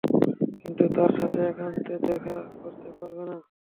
কিন্তু তার সাথে একান্তে দেখা করতে পারবে না।